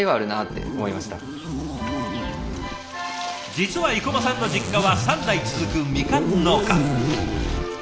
実は生駒さんの実家は３代続くみかん農家。